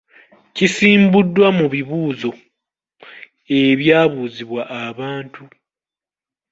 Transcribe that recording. Kisimbuddwa mu bibuuzou. ebyabuuzibwa abantu.